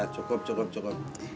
cukup cukup cukup